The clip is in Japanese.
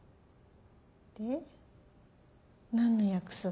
で何の約束？